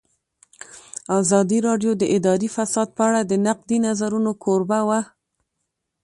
ازادي راډیو د اداري فساد په اړه د نقدي نظرونو کوربه وه.